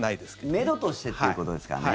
めどとしてっていうことですかね。